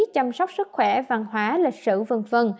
chăm sóc sức khỏe văn hóa lịch sử v v